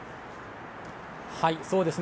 そうですね。